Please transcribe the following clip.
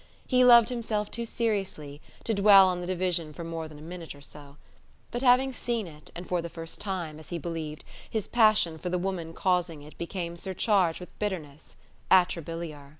He loved himself too seriously to dwell on the division for more than a minute or so. But having seen it, and for the first time, as he believed, his passion for the woman causing it became surcharged with bitterness, atrabiliar.